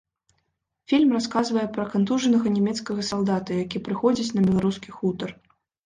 Фільм расказвае пра кантужанага нямецкага салдата, які прыходзіць на беларускі хутар.